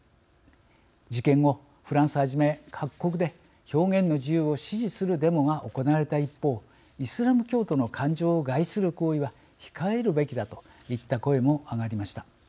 事件後、フランスはじめ各国で表現の自由を支持するデモが行われた一方イスラム教徒の感情を害する行為は控えるべきだといった声も上がりました。